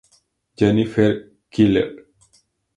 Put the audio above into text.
Jennifer Keller.